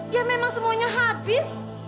ya memang semuanya habis